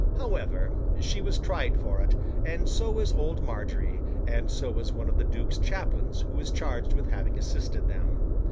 However, she was tried for it, and so was old Margery, and so was one of the duke's chaplains, who was charged with having assisted them.